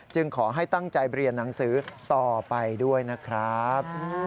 ขอให้ตั้งใจเรียนหนังสือต่อไปด้วยนะครับ